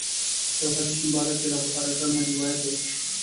په یو حدیث مبارک کې له ابوهریره نه روایت دی.